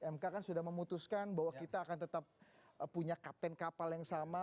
mk kan sudah memutuskan bahwa kita akan tetap punya kapten kapal yang sama